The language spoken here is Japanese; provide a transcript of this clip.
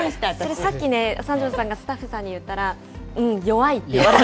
さっき三條さんがスタッフさんに言ったら、うん、弱いって。